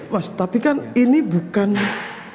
mas tapi kan ini bukan